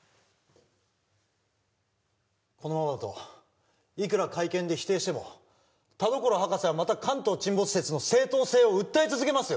このままだといくら会見で否定しても田所博士はまた関東沈没説の正当性を訴え続けますよ